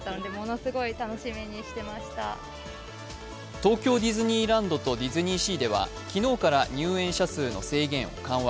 東京ディズニーランドとディズニーシーでは昨日から入園者数の制限を緩和。